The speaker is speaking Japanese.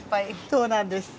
そうなんです。